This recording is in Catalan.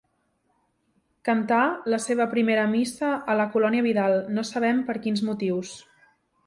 Cantà la seva primera Missa a la Colònia Vidal, no sabem per quins motius.